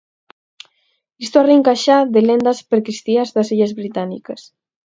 Isto arrinca xa de lendas precristiás da illas Británicas.